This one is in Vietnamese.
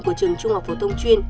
của trường trung học phổ thông chuyên